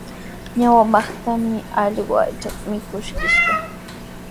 Ñawpatrawmi allqu aychata mikuskishqa.